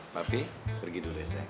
tapi pergi dulu ya sayang